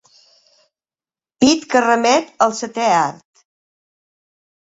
Pit que remet al setè art.